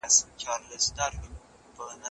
کله چي یو څوک له قدرت ولویده ملګري یې ځي.